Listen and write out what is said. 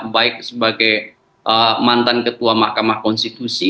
baik sebagai mantan ketua mahkamah konstitusi